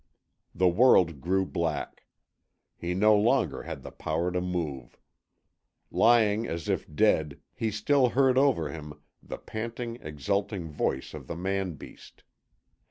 The world grew black. He no longer had the power to move. Lying as if dead he still heard over him the panting, exultant voice of the man beast.